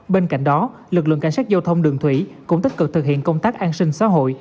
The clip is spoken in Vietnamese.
bên cạnh đó lực lượng cảnh sát giao thông đường thủy cũng tích cực thực hiện công tác an sinh xã hội